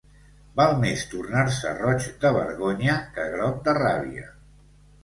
Val més tornar-se roig de vergonya que groc de ràbia.